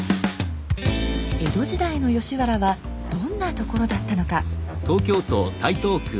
江戸時代の吉原はどんなところだったのか。